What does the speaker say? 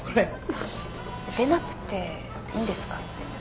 あっ出なくていいんですか？